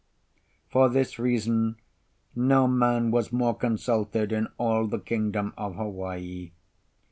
For this reason no man was more consulted in all the Kingdom of Hawaii.